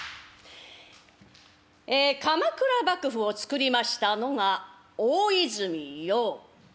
ええ鎌倉幕府を作りましたのが大泉洋。